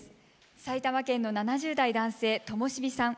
埼玉県の７０代・男性ともしびさん。